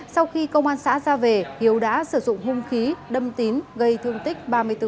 sau khi công an xã ra về hiếu đã sử dụng hung khí đâm tín gây thương tích ba mươi bốn